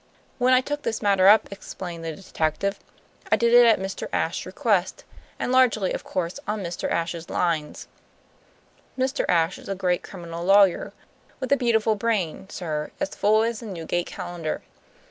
"When I took this matter up," explained the detective, "I did it at Mr. Ashe's request, and largely, of course, on Mr. Ashe's lines. Mr. Ashe is a great criminal lawyer; with a beautiful brain, sir, as full as the Newgate Calendar.